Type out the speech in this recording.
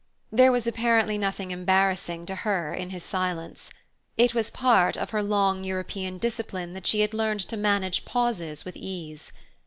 There was apparently nothing embarrassing to her in his silence: it was a part of her long European discipline that she had learned to manage pauses with ease.